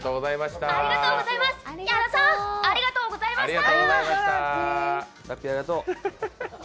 矢田さん、ありがとうございました。